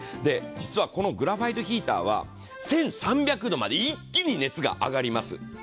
実はこのグラファイトヒーターは１３００度まで一気に熱が上がります。